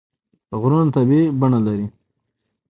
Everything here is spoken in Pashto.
غرونه طبیعي بڼه لري.